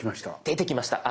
出てきました。